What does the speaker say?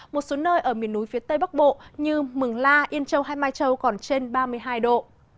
một số nơi ở miền núi phía tây bắc bộ như mường la yên châu hay mai châu còn trên ba mươi hai độ